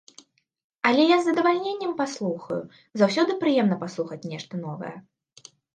Але я з задавальненнем паслухаю, заўсёды прыемна паслухаць нешта новае.